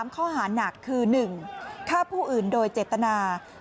ข้อหานักคือ๑ฆ่าผู้อื่นโดยเจตนา